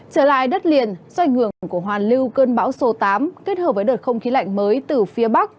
trở lại đất liền do ảnh hưởng của hoàn lưu cơn bão số tám kết hợp với đợt không khí lạnh mới từ phía bắc